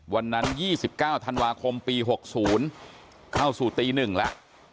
วันนั้น๒๙ธันวาคมปี๖๐เข้าสู่ตี๑แล้ว